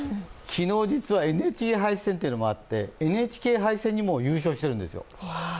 昨日、実はＮＨＫ杯っていうのもあってＮＨＫ杯戦にも優勝しているんですよ